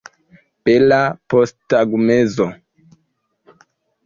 Bela posttagmezo.